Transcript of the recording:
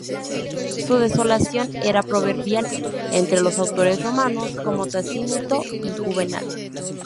Su desolación era proverbial entre los autores romanos, como Tácito y Juvenal.